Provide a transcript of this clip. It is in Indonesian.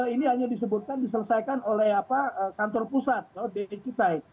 ini hanya disebutkan diselesaikan oleh kantor pusat d e cipai